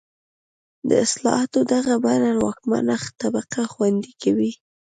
د اصلاحاتو دغه بڼه واکمنه طبقه خوندي کوي.